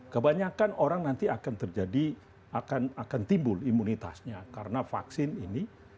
kebanyakan orang nanti akan terjadi akan timbul imunitasnya karena vaksin ini